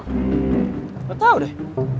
gak tau deh